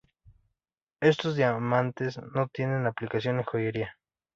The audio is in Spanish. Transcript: Estos diamantes no tienen aplicación en joyería.